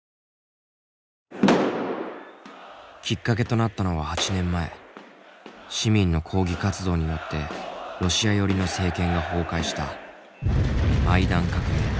きっかけとなったのは８年前市民の抗議活動によってロシア寄りの政権が崩壊したマイダン革命だ。